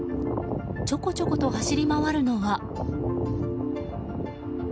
ちょこちょこと走り回るのは。